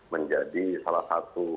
menjadi salah satu